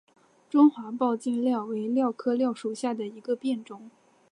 中华抱茎蓼为蓼科蓼属下的一个变种。